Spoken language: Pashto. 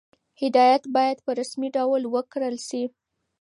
هدایت باید په رسمي ډول ورکړل شي.